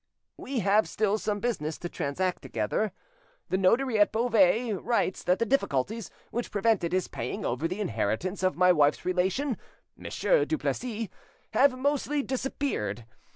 "We have still some business to transact together. The notary at Beauvais writes that the difficulties which prevented his paying over the inheritance of my wife's relation, Monsieur Duplessis, have mostly disappeared.